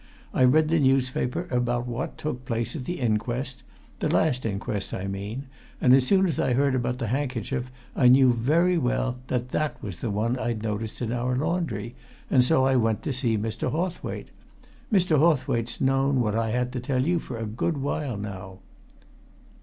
I read the newspaper about what took place at the inquest the last inquest, I mean and as soon as I heard about the handkerchief, I knew very well that that was the one I'd noticed in our laundry, and so I went to see Mr. Hawthwaite. Mr. Hawthwaite's known what I had to tell you for a good while now."